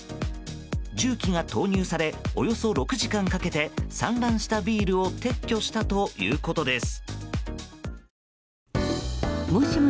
重機が投入されおよそ６時間かけて散乱したビールを撤去したということです。